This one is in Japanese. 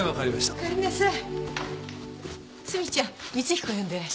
おかえりなさい。